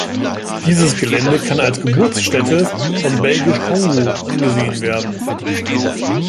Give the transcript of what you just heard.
Dieses Gelände kann als Geburtsstätte von Belgisch-Kongo angesehen werden.